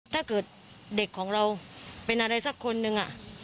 ถ้าเกิดเด็กของเราเป็นอะไรสักคนหนึ่ง